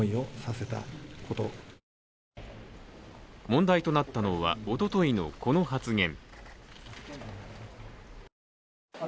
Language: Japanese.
問題となったのは、おとといのこの発言。